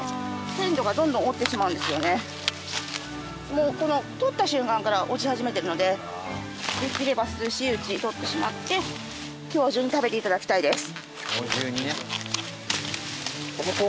もうこのとった瞬間から落ち始めてるのでできれば涼しいうちにとってしまって今日中に食べて頂きたいです。